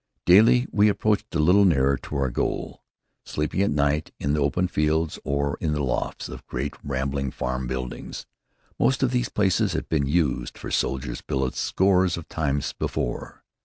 Daily we approached a little nearer to our goal, sleeping, at night, in the open fields or in the lofts of great rambling farm buildings. Most of these places had been used for soldiers' billets scores of times before.